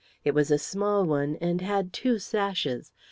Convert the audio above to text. It was a small one, and had two sashes.